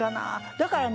だからね